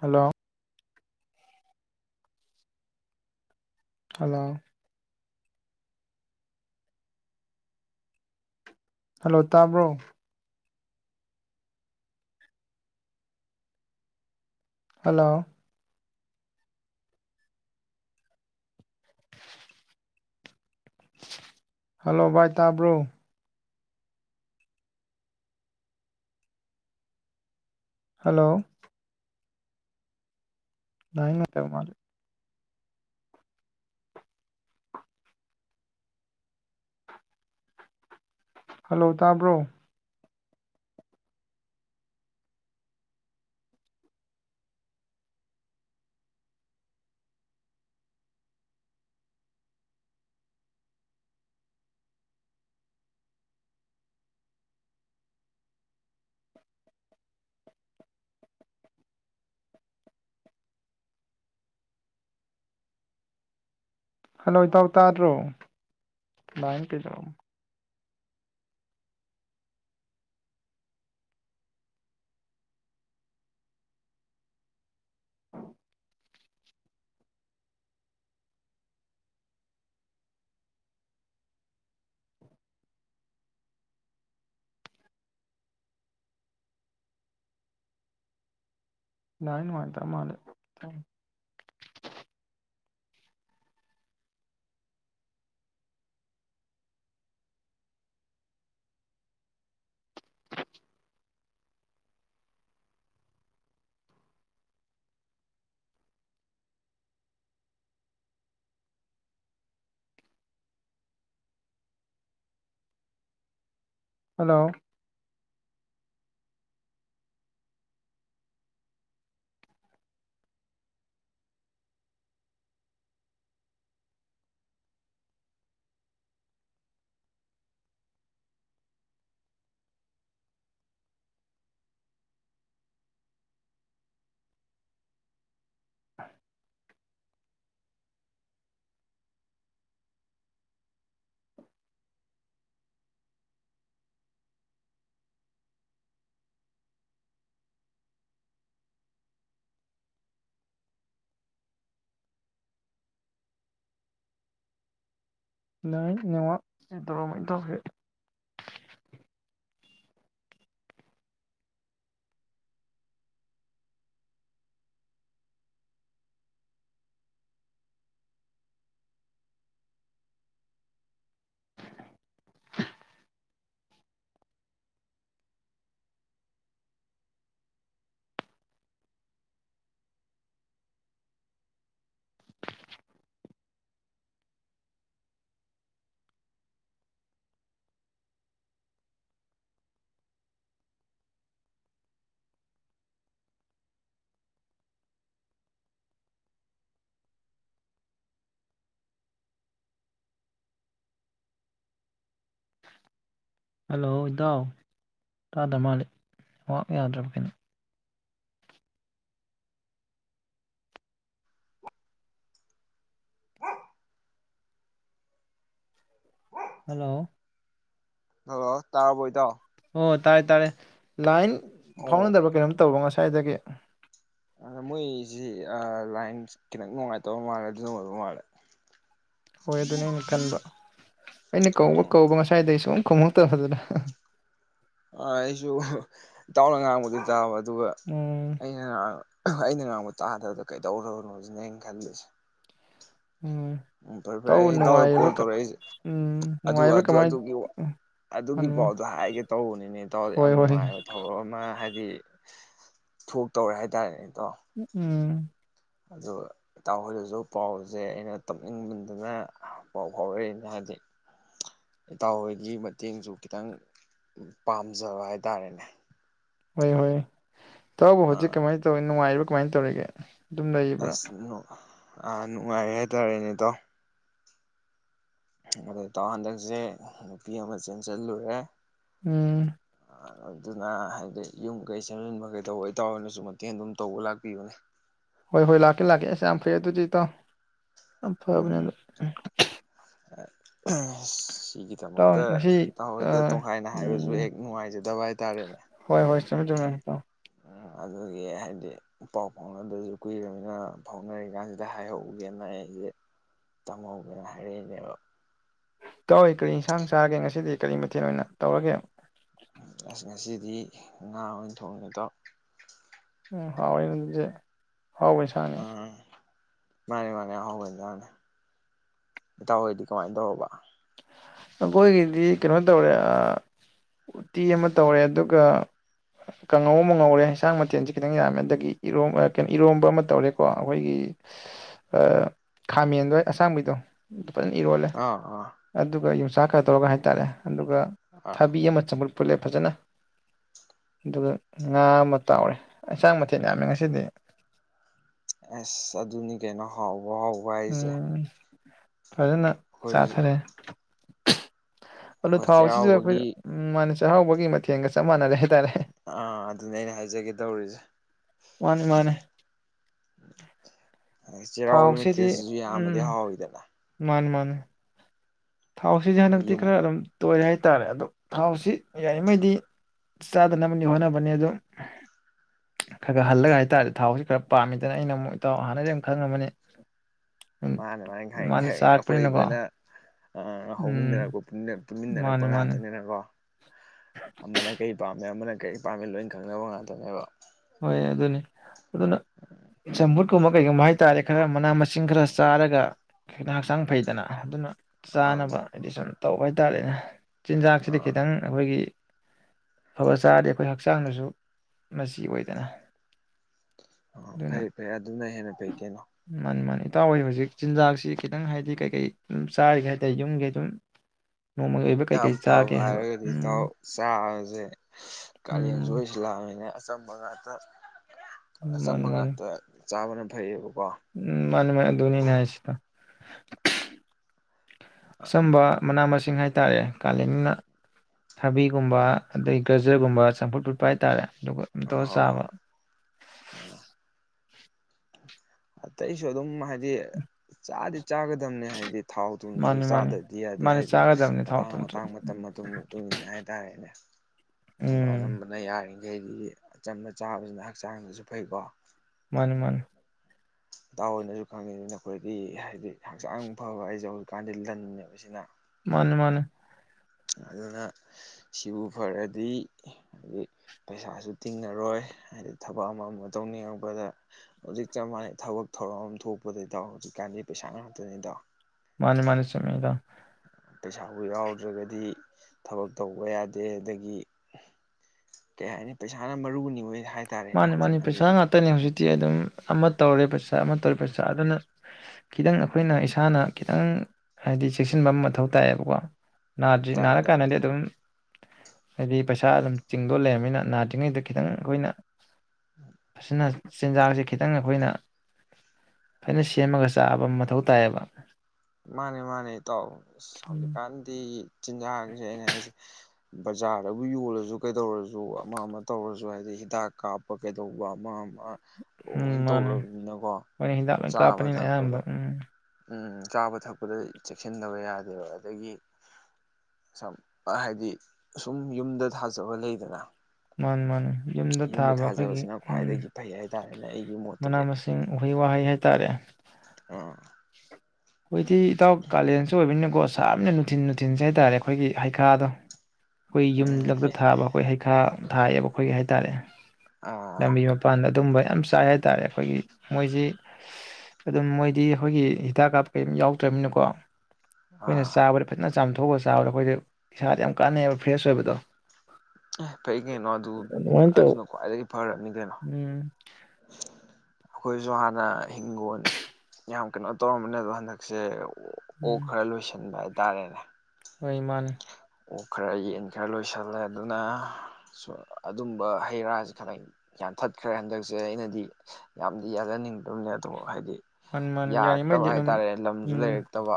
Hello hello hello ꯇꯥꯕ꯭ꯔꯣ hello hello ꯚꯏ ꯇꯥꯕ꯭ꯔꯣ ꯍꯦꯜꯂꯣ ꯂꯏꯅꯦꯠꯇ ꯃ ꯃꯥꯔ ꯍꯜꯂꯣ ꯇꯥꯕ꯭ꯔꯣ ꯍꯜꯂꯣ ꯏꯇꯥꯎ ꯇꯥꯗ꯭ꯔꯣ ꯀ ꯂꯏꯟ ꯃꯥꯥꯏꯇꯔ ꯃꯥꯅꯦ ꯍꯂꯣ ꯂꯩꯃꯛ ꯇꯔ ꯇꯧꯒꯦ ꯍꯜꯂꯣ ꯏꯗꯥꯎ ꯔꯥꯗ ꯃꯥꯜꯂꯤ ꯑ ꯌꯥꯗ꯭ꯔꯕ ꯀꯩꯅꯣ ꯍꯦꯜꯂꯣ ꯍꯜꯂꯣ ꯇꯥꯕꯣꯏꯗꯥꯎ ꯑꯣ ꯇꯥꯔꯦ ꯇꯥꯔꯦ ꯂꯥꯏꯟ ꯑꯣ ꯐꯥꯎꯅꯗꯕ ꯀꯩꯅꯣꯝ ꯇꯧꯕ ꯉꯁꯥꯏ ꯁꯥꯏꯏꯗꯒꯤ ꯑꯗ ꯃꯣꯏꯁꯤ ꯂꯥꯏꯟ ꯈꯤꯇꯪ ꯅꯨꯡꯉꯥꯏꯇꯕ ꯃꯥꯜꯂꯦ ꯑꯗꯨ ꯅꯨꯡꯉꯥꯏꯕ ꯃꯥꯜꯂꯦ ꯍꯣꯏ ꯑꯗꯨꯅꯦ ꯑꯩꯅ ꯈꯟꯕ ꯑꯩꯅ ꯀꯧꯕ ꯑꯣ ꯀꯧꯕ ꯉꯁꯥꯏꯗꯒꯤꯩ ꯁꯨꯝ ꯀꯃ ꯇ ꯍꯧꯖꯤꯅ ꯑ ꯑꯩꯁꯨ ꯆꯥꯎ ꯆꯕ ꯑꯗꯨꯒ ꯎꯝ ꯑꯩꯅ ꯉ ꯑꯩꯅ ꯉ ꯨ ꯇꯥꯗꯗ ꯀꯩꯗꯧꯔꯨꯔꯅꯣꯖꯤꯅꯦꯩꯅ ꯈꯜꯂꯤꯁꯦ ꯎꯝ ꯎꯝ ꯐꯔꯦ ꯐꯔꯦ ꯏꯇꯥꯎꯕꯨ ꯑꯩ ꯏꯇꯥꯎꯗ ꯅꯨꯡꯉꯥꯏꯔꯤꯕ꯭ꯔꯥ ꯀꯣꯜ ꯀꯃꯥꯏ ꯇꯧꯔꯛꯏꯁꯦ ꯎꯝ ꯅꯨꯡꯉꯥꯏꯕ ꯀꯃꯥꯏ ꯑꯗꯨꯒꯤ ꯑꯗꯨꯒꯤ ꯃꯥꯅꯤ ꯃꯥꯅꯤ ꯄꯥꯎꯗꯣ ꯍꯥꯏꯒꯦ ꯇꯧꯕꯅꯤꯅꯦ ꯏꯇꯥꯎꯗ ꯌꯥꯝ ꯍꯣꯏ ꯍꯣꯏ ꯅꯨꯡꯉꯥꯏꯕ ꯊꯧꯔ ꯑꯃ ꯍꯥꯏꯗꯤ ꯊꯣꯛꯇꯧꯔꯦ ꯍꯥꯏꯇꯥꯔꯅꯦ ꯎꯝ ꯑꯗꯨ ꯏꯇꯥꯎꯍꯣꯏꯗꯁꯨ ꯄꯥꯎꯁꯦ ꯑꯩꯅ ꯇꯞꯅꯤꯡꯃꯟꯗꯨꯅ ꯄꯥꯎ ꯐꯥꯎꯔꯛꯏꯅꯦ ꯍꯥꯏꯕꯗꯤ ꯏꯇꯥꯎ ꯍꯣꯏꯒꯤ ꯃꯇꯦꯡꯁꯨ ꯈꯤꯇꯪ ꯄꯥꯝꯖꯕ ꯍꯥꯏꯇꯥꯥꯔꯦꯅꯦ ꯍꯣꯏ ꯍꯣꯏ ꯇꯧꯕꯕꯨ ꯍꯧꯖꯤꯛ ꯀꯃꯥꯏꯅ ꯇꯧꯋꯤ ꯅꯨꯡꯉꯥꯏꯔꯤꯕ ꯀꯃꯥꯏꯅ ꯇꯧꯔꯤꯒꯦ ꯑꯗꯨꯝ ꯂꯩꯔꯤꯕ꯭ꯔꯥ ꯑꯁ ꯅꯣ ꯑꯥ ꯅꯨꯡꯉꯥꯏꯔꯦ ꯍꯥꯏꯇꯥꯔꯦꯅꯦꯗꯣ ꯑꯗꯨ ꯇꯥꯎ ꯍꯟꯗꯛꯁꯦ ꯅꯨꯄꯤ ꯑꯃ ꯆꯦꯟꯁꯤꯜꯂꯨꯔꯦ ꯎꯝ ꯑꯗꯨꯅ ꯍꯥꯏꯗꯤ ꯌꯨꯝ ꯀꯩ ꯁꯦꯝꯖꯤꯟꯕ ꯀꯩ ꯇꯧꯕꯩ ꯇꯥꯔꯅꯁꯨ ꯃꯇꯦꯡ ꯑꯗꯨꯝ ꯇꯧꯕ ꯂꯥꯛꯄꯤꯕꯅꯦ ꯍꯣꯏ ꯍꯣꯏ ꯂꯥꯛꯀꯦ ꯂꯥꯛꯀꯦ ꯑꯁ ꯌꯥꯝ ꯐꯩ ꯑꯗꯨꯗꯤꯇꯣ ꯑꯐꯕꯅꯦꯗ ꯎꯝ ꯁꯤꯒꯤꯗꯃꯛꯇ ꯉꯁꯤ ꯇꯍꯣꯏꯗ ꯑꯥ ꯇꯣꯡꯈꯥꯏꯅ ꯍꯥꯏꯕꯁꯨ ꯎꯝ ꯍꯦꯛ ꯅꯨꯡꯉꯥꯏꯖꯗꯕ ꯍꯥꯏꯇꯥꯔꯦꯅꯦ ꯆ ꯆꯧꯅꯣ ꯎꯝ ꯑꯗꯨꯒꯤ ꯍꯥꯏꯗꯤ ꯄꯥꯎ ꯐꯥꯎꯅꯗ꯭ꯔꯁꯨ ꯀꯨꯏꯔꯕꯅꯤꯅ ꯐꯥꯎꯅꯔꯤ ꯀꯥꯟꯁꯤꯗ ꯍꯥꯏꯍꯧꯒꯦꯅ ꯑꯩꯁꯦ ꯇꯝꯍꯧꯒꯦꯅ ꯍꯥꯏꯔꯛꯏꯅꯦꯕ ꯀꯧꯏ ꯀꯔꯤ ꯌꯦꯟꯁꯥꯡ ꯆꯥꯒꯦ ꯉꯁꯤꯗꯤ ꯀꯔꯤ ꯃꯊꯦꯜ ꯑꯣꯏꯅ ꯇꯧꯔꯒꯦ ꯑꯁ ꯉꯁꯤꯗꯤ ꯉꯥ ꯑꯣꯏꯅ ꯊꯣꯡꯅꯤꯠꯇꯣ ꯍꯅꯁꯦ ꯍꯥꯎꯩꯁꯅꯦ ꯎꯝ ꯃꯥꯅꯦ ꯃꯥꯅꯦꯍꯥꯎꯕꯅꯤ ꯏꯇꯥꯎ ꯍꯣꯏꯗꯤ ꯀꯃꯥꯏꯅ ꯇꯧꯔꯕ ꯑꯩꯈꯣꯏꯒꯤꯗꯤ ꯀꯩꯅꯣ ꯇꯧꯔꯦ ꯎꯇꯤ ꯑꯃ ꯇꯧꯔꯦ ꯑꯗꯨꯒ ꯀꯥꯡꯉꯧ ꯑꯃ ꯉꯧꯔꯦ ꯑꯦꯟꯁꯥꯡ ꯃꯊꯦꯜꯁꯦ ꯈꯤꯇꯪ ꯌꯥꯝꯃꯦ ꯑꯗꯒꯤ ꯏ ꯀꯩꯅꯣ ꯏꯔꯣꯝꯕ ꯑꯃ ꯇꯧꯔꯦꯀꯣ ꯑꯩꯈꯣꯏꯒꯤ ꯈꯥꯃꯦꯟꯗꯣ ꯑꯁꯥꯡꯕꯤꯗꯣ ꯐꯅ ꯏꯔꯣꯜꯂꯦ ꯑꯥ ꯑꯥ ꯑꯗꯨꯒ ꯌꯣꯡꯁꯥꯛ ꯈꯔ ꯇꯧꯔꯒ ꯍꯥꯏꯇꯥꯔꯦ ꯑꯗꯨꯒ ꯑꯥ ꯊꯕꯤ ꯑꯃ ꯆꯃꯠ ꯄꯨꯂꯦꯞ ꯐꯖꯅ ꯑꯗꯨꯒ ꯉꯥ ꯑꯃ ꯇꯥꯎꯔꯦ ꯑꯦꯟꯁꯥꯡ ꯃꯊꯦꯜ ꯌꯥꯝꯃꯦ ꯉꯁꯤꯗꯤ ꯑꯦꯁ ꯑꯗꯨꯅꯤ ꯀꯩꯅꯣ ꯍꯥꯎ ꯎꯝ ꯐꯖꯅ ꯑꯩꯈꯣꯏ ꯆꯥꯊꯔꯦ ꯍꯜꯂꯣ ꯊꯥꯎꯁꯤ ꯑꯩꯈꯣꯏ ꯎ ꯆꯩꯔꯥꯎꯕꯒꯤ ꯃ ꯆꯩꯔꯍꯥꯎꯒꯤꯊꯦꯡꯒ ꯆꯞ ꯃꯥꯟꯅꯔꯦ ꯍꯥꯏꯇꯥꯔꯦ ꯑꯥ ꯑꯗꯨꯅꯦ ꯑꯩꯅ ꯍꯥꯏꯖꯒꯦ ꯇꯧꯔꯤꯁꯦ ꯃꯥꯅꯦ ꯃꯥꯅꯦ ꯆꯩꯔꯥꯎꯕ ꯊꯥꯎꯁꯤꯗꯤ ꯃꯦꯇ꯭ꯔꯦꯁꯤꯁꯨ ꯌꯥꯝꯃꯗꯤ ꯍꯥꯎꯋꯤꯗꯅ ꯎ ꯊꯥꯎꯁꯤꯗꯤ ꯑꯩꯈꯣꯏ ꯍꯟꯗꯛꯇꯤ ꯌꯨꯝ ꯈꯔ ꯑꯗꯨꯝ ꯇꯣꯏꯔꯦ ꯍꯥꯏꯇꯥꯥꯔꯦ ꯑꯗꯣ ꯊꯥꯎꯁꯤ ꯌꯥꯔꯤꯉꯩꯗꯤ ꯆꯥꯗꯅꯕꯅꯤ ꯍꯣꯠꯅꯕꯅꯤ ꯑꯗꯨꯝ ꯈꯔ ꯈꯔ ꯍꯜꯂꯒ ꯍꯥꯏꯇꯥꯥꯔꯦꯗꯤ ꯊꯥꯎꯁꯤ ꯈꯔ ꯄꯥꯝꯃꯤꯗꯅ ꯑꯩꯅ ꯑꯃꯨꯛ ꯏꯇꯥꯎ ꯍꯥꯟꯅꯗꯒꯤ ꯈꯪꯉꯝꯃꯅꯤ ꯃꯥꯅꯦ ꯃꯥꯅꯤ ꯈꯥꯏꯉꯦ ꯃꯥꯅ ꯈꯥꯏꯉꯦ ꯑꯩꯈꯣꯏ ꯆꯥꯔꯛꯄꯅꯤꯅꯀꯣ ꯂꯣꯏꯅ ꯎꯝ ꯍꯧꯃꯤꯟꯅꯔꯛꯄ ꯄꯨꯟꯃꯤꯟꯅꯔꯛꯄ ꯃꯥꯅꯦ ꯃꯥꯅꯦ ꯉꯥꯛꯇꯅꯤꯅꯔꯣ ꯑꯃꯅ ꯀꯔꯤ ꯄꯥꯝꯃꯦ ꯑꯃꯅ ꯀꯔꯤ ꯄꯥꯝꯃꯦ ꯂꯣꯏ ꯈꯪꯅꯕ ꯉꯥꯛꯇꯅꯦꯕ ꯍꯣꯏ ꯑꯗꯨꯅꯤ ꯑꯗꯨꯅ ꯆꯝꯐꯨꯠꯀꯨꯝꯕ ꯀꯩꯒꯨꯝꯕ ꯍꯥꯏꯇꯥꯔꯦ ꯈꯔ ꯃꯅꯥ ꯃꯁꯤꯡ ꯁꯤꯡ ꯈꯔ ꯆꯥꯔꯒ ꯍꯛꯆꯥꯡ ꯐꯩꯗꯅ ꯑꯗꯨꯅ ꯑꯥ ꯆꯥꯅꯕ ꯍꯥꯏꯗꯤ ꯁꯨꯝ ꯇꯧꯕ ꯍꯥꯏꯇꯥꯔꯦꯅꯦ ꯆꯤꯟꯖꯥꯛꯁꯤꯗꯤ ꯈꯤꯇꯪ ꯑꯩꯈꯣꯏꯒꯤ ꯑꯐꯕ ꯆꯥꯔꯗꯤ ꯑꯩꯈꯣꯏ ꯍꯛꯆꯥꯡꯗꯁꯨ ꯃꯆꯤ ꯑꯣꯏ ꯗꯅ ꯑ ꯐꯩ ꯐꯩ ꯑꯗꯨꯅ ꯍꯦꯟꯅ ꯐꯩ ꯀꯩꯅꯣ ꯑꯇꯥꯎ ꯍꯣꯏ ꯍꯧꯖꯤꯛ ꯆꯤꯟꯖꯥꯛꯁꯤ ꯈꯤꯇꯪ ꯍꯥꯏꯗꯤ ꯀꯩꯀꯩ ꯆꯥꯔꯤꯒꯦ ꯍꯥꯏꯇꯥꯔꯦ ꯌꯨꯝꯒꯤ ꯑꯗꯨꯝ ꯅꯣꯡꯃꯒꯤ ꯑꯣꯏꯕ ꯌꯥꯝ ꯀꯩꯀꯩ ꯐꯕ ꯆꯥꯒꯦ ꯍꯥꯏꯕ ꯍꯥꯏꯔꯒꯗꯤ ꯎꯝ ꯏꯇꯥꯎ ꯆꯥꯕꯁꯦ ꯎꯝ ꯀꯥꯂꯦꯟꯁꯨ ꯑꯣꯏꯁꯤꯜꯂꯥꯛꯑꯕꯅꯤꯅ ꯑꯆꯝꯕ ꯉꯥꯛꯇ ꯑꯆꯝꯕ ꯃꯥꯅꯤ ꯃꯥꯅꯤ ꯉꯥꯛꯇ ꯆꯥꯕꯅ ꯐꯩꯌꯦꯕ ꯎꯝ ꯃꯥꯟꯅꯤ ꯃꯥꯟꯅꯤ ꯑꯗꯨꯅꯤ ꯑꯩꯅ ꯍꯥꯏꯁꯦ ꯏꯇꯥꯎ ꯑꯥ ꯑꯆꯝꯕ ꯃꯅꯥ ꯃꯁꯤꯡ ꯁꯤꯡ ꯍꯥꯏꯇꯥꯔꯦ ꯀꯥꯂꯦꯟꯅꯤꯅ ꯊꯕꯤꯒꯨꯝꯕ ꯑꯥ ꯑꯗꯒꯤ ꯒꯖꯔꯒꯨꯝꯕ ꯆꯝꯐꯨꯠ ꯐꯨꯠꯄ ꯍꯥꯏꯇꯥꯔꯦ ꯑꯗꯨꯒ ꯁꯨꯝ ꯑꯥ ꯇꯧꯔ ꯍꯣꯏ ꯆꯥꯕ ꯍꯣꯏ ꯑꯥ ꯑꯇꯩꯁꯨ ꯑꯗꯨꯝ ꯍꯥꯏ ꯗꯤ ꯆꯥꯗꯤ ꯆꯥꯒꯗꯝꯕꯅꯦ ꯍꯥꯏꯗꯤ ꯊꯥꯎ ꯊꯨꯝꯁꯤꯁꯨ ꯃꯥꯅꯤ ꯃꯥꯅꯤ ꯆꯥꯗꯕꯗꯤ ꯌꯥꯗꯦ ꯃꯥꯅꯤ ꯍꯥꯏꯗꯤ ꯆꯥꯒꯗꯕꯅꯤ ꯊꯥꯎ ꯃꯇꯥꯡ ꯊꯨꯝ ꯊꯨꯝ ꯃꯇꯥꯡ ꯃꯇꯝ ꯃꯇꯝ ꯃꯇꯨꯡ ꯏꯟꯅ ꯍꯥꯏꯇꯥꯔꯦꯅꯦ ꯑꯗꯨꯝ ꯎꯝ ꯑꯅꯝꯕꯅ ꯌꯥꯔꯤꯒꯩ ꯑꯗꯤ ꯆꯝꯅ ꯆꯥꯕꯁꯤꯅ ꯍꯛꯆꯥꯡꯗꯁꯨ ꯐꯩꯀꯣ ꯃꯥꯅꯤ ꯃꯥꯅꯤ ꯏꯇꯥꯎ ꯍꯣꯏꯅꯁꯨ ꯈꯪꯉꯤ ꯑꯗꯨꯅ ꯑꯩꯈꯣꯏꯒꯤ ꯍꯥꯏꯗꯤ ꯍꯛꯆꯥꯡ ꯐꯕ ꯑꯩꯁꯦ ꯍꯧꯖꯤꯛꯀꯥꯟꯗꯤ ꯂꯟꯅꯦꯕ ꯁꯤꯅ ꯃꯥꯅꯤ ꯃꯥꯅꯤ ꯑꯗꯨꯅ ꯁꯤꯕꯨ ꯐꯔꯗꯤ ꯍꯥꯏꯗꯤ ꯄꯩꯁꯥꯁꯨ ꯇꯤꯡꯉꯔꯣꯏ ꯍꯥꯏꯗꯤ ꯊꯕꯛ ꯑꯃ ꯑꯃ ꯇꯧꯅꯤꯡꯉꯛꯄꯗ ꯍꯧꯖꯤꯛ ꯆꯞ ꯃꯥꯟꯅꯩ ꯊꯕꯛ ꯊꯧꯔꯝ ꯑꯃ ꯊꯣꯛꯄꯗ ꯍꯧꯖꯤꯛꯀꯥꯟꯗꯤ ꯄꯩꯁꯥ ꯉꯥꯛꯇꯅꯤ ꯏꯇꯥꯎ ꯃꯥꯅꯤ ꯃꯥꯅꯤ ꯆꯨꯝꯃꯤ ꯏꯇꯥꯎ ꯄꯩꯁꯥꯕꯨ ꯌꯥꯎꯗ꯭ꯔꯒꯗꯤ ꯊꯕꯛ ꯇꯧꯕ ꯌꯥꯗꯦ ꯑꯗꯒꯤ ꯀꯩ ꯍꯥꯏꯅꯤ ꯄꯩꯁꯥꯅ ꯃꯔꯨꯅꯤ ꯃꯦ ꯃꯥꯅꯤ ꯃꯥꯅꯤ ꯄꯩꯁꯥ ꯉꯥꯛꯇꯅꯦ ꯍꯧꯖꯤꯛ ꯇꯤ ꯑꯗꯨꯝ ꯑꯃ ꯇꯧꯔꯦ ꯄꯩꯁꯥ ꯑꯃ ꯇꯧꯔꯦ ꯄꯩꯁꯥ ꯑꯗꯨꯅ ꯈꯤꯇꯪ ꯑꯩꯈꯣꯏꯅ ꯏꯁꯥꯅ ꯈꯤꯇꯪ ꯍꯥꯏꯗꯤ ꯆꯦꯛꯁꯤꯟꯕ ꯑꯃ ꯃꯊꯧ ꯇꯥꯏꯌꯦꯕꯀꯣ ꯅꯥꯗ꯭ꯔꯤ ꯇꯥꯏ ꯅꯥꯔ ꯇꯥꯏ ꯀꯥꯟꯗꯤ ꯇꯥꯏ ꯑꯗꯨꯝ ꯍꯥꯏꯗꯤ ꯄꯩꯁꯥ ꯑꯗꯨꯝ ꯇꯤꯡꯗꯧ ꯂꯩꯔꯕꯅꯤꯅ ꯅꯥꯗ꯭ꯔꯤꯉꯩꯗ ꯈꯤꯇꯪ ꯑꯩꯈꯣꯏꯅ ꯐꯁꯅ ꯆꯤꯟꯖꯥꯛꯁꯦ ꯈꯤꯇꯪ ꯑꯩꯈꯣꯏꯅ ꯐꯖꯅ ꯁꯦꯝꯃꯒ ꯆꯥꯕ ꯑꯃ ꯃꯊꯧ ꯇꯥꯏꯌꯦꯕ ꯃꯥꯅꯦ ꯃꯥꯅꯦ ꯏꯇꯥꯎ ꯎꯝ ꯍꯧꯖꯤꯛꯀꯥꯟꯗꯤ ꯆꯤꯟꯖꯥꯛꯁꯦ ꯑꯩꯅ ꯑꯩꯁꯦ ꯕꯖꯥꯔꯗꯕꯨ ꯌꯣꯜꯂꯁꯨ ꯀꯩꯗꯧꯔꯁꯨ ꯑꯃ ꯑꯃ ꯇꯧꯔꯁꯨ ꯍꯥꯏꯗꯤ ꯍꯤꯗꯥꯛ ꯀꯥꯞꯄ ꯀꯩꯗꯧꯕ ꯑꯃ ꯑꯃ ꯂꯣꯏ ꯎꯝ ꯃꯥꯅꯦ ꯇꯧꯔꯕꯅꯤꯅꯀꯣ ꯑꯩꯈꯣꯏꯅ ꯍꯤꯗꯥꯛ ꯂꯣꯏ ꯆꯥꯕ ꯀꯥꯞꯄꯅꯤꯅ ꯑꯌꯥꯝꯕ ꯊꯛꯄꯗ ꯎꯝ ꯎꯝ ꯆꯥꯕ ꯊꯛꯄꯗ ꯆꯦꯛꯁꯤꯟꯗꯕ ꯌꯥꯗꯦꯕ ꯑꯗꯒꯤ ꯁꯝ ꯍꯥꯏꯗꯤ ꯁꯨꯝ ꯌꯨꯝꯗ ꯊꯥꯖꯕ ꯂꯩꯗꯅ ꯃꯥꯅꯤ ꯃꯥꯅꯦ ꯌꯨꯝꯗ ꯊꯥꯕ ꯑꯈꯣꯏꯒꯤ ꯊꯥꯖꯕꯁꯤꯅ ꯎꯝ ꯈ꯭ꯋꯥꯏꯗꯒꯤ ꯐꯩ ꯍꯥꯏꯇꯥꯔꯦꯅꯦ ꯑꯩꯒꯤ ꯃꯅꯥ ꯃꯣꯠꯇꯗꯤ ꯃꯁꯤꯡ ꯎꯍꯩ ꯋꯥꯍꯩ ꯍꯥꯏ ꯇꯥꯔꯦ ꯑꯣ ꯈꯣꯏꯗꯤ ꯏꯇꯥꯎ ꯀꯥꯂꯦꯟꯁꯨ ꯑꯣꯏꯕꯅꯤ ꯀꯣ ꯁꯥꯅ ꯅꯨꯡꯊꯤꯟ ꯅꯨꯡꯊꯤꯟꯁꯦ ꯍꯥꯏꯇꯥꯔꯦ ꯑꯈꯣꯏꯒꯤ ꯍꯩꯈꯥꯗꯣ ꯑꯈꯣꯏ ꯎꯝ ꯌꯨꯝꯂꯛꯇ ꯊꯥꯕ ꯑꯩꯈꯣꯏ ꯍꯩꯈꯥ ꯊꯥꯏꯌꯦꯕ ꯑꯈꯣꯏꯒꯤ ꯍꯥꯏꯇꯥꯔꯦ ꯑꯥ ꯂꯝꯕꯤ ꯃꯄꯥꯟꯗ ꯑꯗꯨꯝꯕ ꯌꯥꯝ ꯆꯥꯏ ꯍꯥꯏꯇꯥꯔꯦ ꯑꯩꯈꯣꯏꯒꯤ ꯃꯣꯏꯁꯤ ꯑꯗꯨꯝ ꯃꯣꯏꯗꯤ ꯑꯩꯥꯈꯣꯏꯒꯤ ꯍꯤꯗꯥꯛ ꯀꯥꯞ ꯀꯩꯝ ꯌꯥꯎꯗ꯭ꯔꯃꯤꯅꯀꯣ ꯍꯣꯏꯅꯦ ꯑꯥ ꯆꯥꯕꯔ ꯐ ꯆꯥꯝꯊꯣꯛꯑ ꯆꯥꯕꯗ ꯑꯈꯣꯏꯁꯦ ꯏꯁꯥꯗ ꯌꯥꯝ ꯀꯥꯟꯅꯩꯕ ꯐ꯭ꯔꯦꯁ ꯑꯣꯏꯕꯗꯣ ꯑꯦ ꯐꯩ ꯀꯩꯅꯣ ꯑꯗꯨ ꯑꯗꯨꯃꯥꯏꯅ ꯇꯧ ꯑꯗꯨꯅ ꯈ꯭ꯋꯥꯏꯗꯒꯤ ꯐꯔꯕꯅꯤ ꯀꯩꯅꯣ ꯎꯝ ꯑꯈꯣꯏꯁꯨ ꯍꯥꯟꯅ ꯍꯤꯡꯒꯣꯜ ꯌꯥꯝ ꯀꯩꯅꯣ ꯇꯧꯔꯝꯕꯅꯦ ꯑꯗꯣ ꯍꯟꯗꯛꯁꯦ ꯑꯣꯛ ꯎꯝ ꯈꯔ ꯂꯣꯏꯁꯟ ꯇꯥꯔꯦꯅꯦ ꯍꯣꯏ ꯃꯥꯅꯦ ꯑꯣꯛ ꯈꯔ ꯌꯦꯟ ꯈꯔ ꯂꯣꯏꯁꯜꯂꯦ ꯑꯗꯨꯅ ꯑꯗꯨꯝꯕ ꯍꯩ ꯔꯥꯁꯦ ꯈꯔ ꯌꯥꯟꯊꯠꯈ꯭ꯔꯦ ꯍꯟꯗꯛꯁꯦ ꯑꯩꯅꯗꯤ ꯌꯥꯝꯗꯤ ꯌꯥꯟꯍꯟꯅꯤꯡꯗꯕꯅꯦ ꯑꯗꯨꯕꯨ ꯍꯥꯏꯗꯤ ꯃꯥꯅꯤ ꯃꯥꯅꯤ ꯌꯥꯔꯛꯇꯕ ꯌꯥꯔꯤꯉꯩꯗꯤ ꯑꯗꯨꯝ ꯍꯥꯏꯇꯥꯔꯦꯅꯦ ꯂꯝꯁꯨ ꯎꯝ ꯂꯩꯔꯛꯇꯕ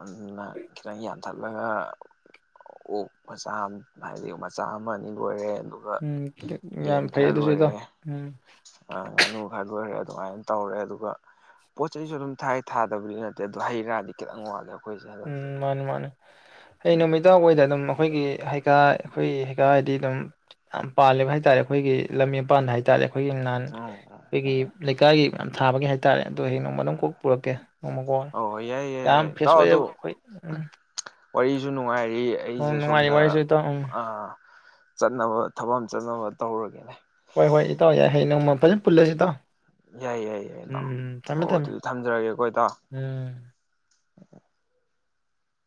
ꯑꯗꯨꯅ ꯈꯤꯇꯪ ꯌꯥꯟꯊꯠꯂꯒ ꯑꯣꯛ ꯃꯆꯥ ꯍꯥꯏꯕꯗꯤ ꯃꯆꯥ ꯑꯃ ꯑꯅꯤ ꯂꯣꯏꯔꯦ ꯑꯗꯨꯒ ꯎꯝ ꯌꯥꯝ ꯐꯩꯌꯦ ꯑꯗꯨꯁꯨ ꯏꯇꯥꯎ ꯎꯝ ꯑ ꯉꯥꯅꯨ ꯈꯔ ꯂꯣꯏꯔꯦ ꯑꯗꯨꯃꯥꯏꯅ ꯇꯧꯔꯦ ꯑꯗꯨꯒ ꯄꯣꯠ ꯆꯩꯁꯨ ꯑꯗꯨꯝ ꯊꯥꯏ ꯊꯥꯗꯕꯗꯤ ꯅꯠꯇꯦ ꯑꯗꯣ ꯍꯩ ꯔꯥꯗꯤ ꯈꯤꯇꯪ ꯋꯥꯠꯂꯦ ꯑꯩꯈꯣꯏꯁꯦ ꯎꯝ ꯍꯟꯗꯛꯇꯤ ꯃꯥꯅꯤ ꯃꯥꯅꯦ ꯑꯩ ꯎꯝ ꯅꯨꯃꯤꯗꯥꯡꯋꯥꯏꯗ ꯑꯗꯨꯝ ꯑꯩꯈꯣꯏꯒꯤ ꯍꯩꯈꯥ ꯑꯈꯣꯏ ꯍꯩꯈꯥ ꯍꯥꯏꯗꯤ ꯑꯗꯨꯝ ꯌꯥꯝ ꯄꯥꯜꯂꯤꯕ ꯍꯥꯏꯇꯥꯥꯔꯦ ꯑꯈꯣꯏꯒꯤ ꯂꯝꯕꯤ ꯃꯄꯥꯟ ꯍꯥꯏꯇꯥꯥꯔꯦ ꯑꯈꯣꯏꯒꯤ ꯅꯍꯥꯟ ꯎꯝ ꯎꯝ ꯑꯩꯈꯣꯏꯒꯤ ꯂꯩꯀꯥꯏꯒꯤ ꯌꯥꯝ ꯊꯥꯕꯒꯤ ꯍꯥꯏꯇꯥꯔꯦ ꯑꯗꯣ ꯍꯌꯦꯡ ꯅꯣꯡꯃ ꯑꯗꯨꯝ ꯀꯣꯛ ꯎꯝ ꯄꯨꯔꯛꯀꯦ ꯅꯣꯡꯃ ꯀꯣꯡ ꯍꯣꯏ ꯍꯣꯏ ꯌꯥꯏ ꯌꯥꯏ ꯌꯥꯝ ꯌꯥꯏ ꯐ꯭ꯔꯦꯁ ꯑꯣꯏꯌꯦꯕ ꯍꯣꯏ ꯑ ꯋꯥꯔꯤꯖꯨꯅꯨ ꯉꯥꯏꯔꯤ ꯑꯩꯖꯦ ꯁꯣꯝꯗ ꯏꯇꯥꯎ ꯎꯝ ꯑ ꯆꯠꯅꯕ ꯊꯕꯛ ꯑꯝ ꯆꯠꯅꯕ ꯇꯧꯔꯒꯦꯅꯦ꯫ ꯍꯣꯏ ꯍꯣꯏ ꯏꯇꯥꯎ ꯌꯥꯏ꯫ ꯍꯌꯦꯡ ꯅꯣꯡꯃ ꯐꯖ ꯄꯨꯜꯂꯖꯤ ꯏꯇꯥꯎ ꯌꯥꯏ ꯌꯥꯏ ꯌꯥꯏ ꯎꯝ ꯏꯅꯥꯎ ꯎꯝ ꯍꯣ ꯊꯝꯃꯦ ꯊꯝꯃꯦ ꯑꯗꯨꯗꯤ ꯊꯝꯖꯔꯒꯦꯀꯣ ꯏꯇꯥꯎ ꯎꯝ꯫